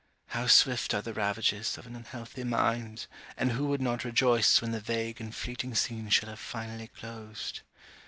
How swift are the ravages of an unhealthy mind, and who would not rejoice when the vague and fleeting scene shall have finally closed!